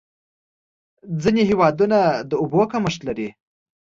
ځینې هېوادونه د اوبو کمښت لري.